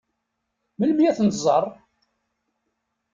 Melmi ad tent-tẓeṛ?